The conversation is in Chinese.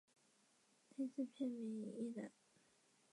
黄包车的车轮也全部被改换。